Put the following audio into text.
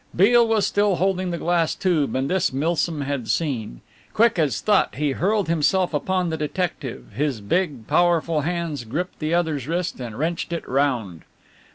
Beale was still holding the glass tube, and this Milsom had seen. Quick as thought he hurled himself upon the detective, his big, powerful hands gripped the other's wrist and wrenched it round.